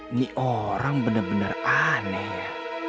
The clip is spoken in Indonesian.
ini orang bener bener aneh ya